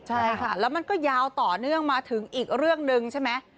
ใช่ค่ะแล้วมันก็ยาวต่อเนื่องมาถึงอีกเรื่องหนึ่งใช่ไหม